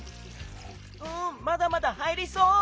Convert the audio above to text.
うんまだまだ入りそう！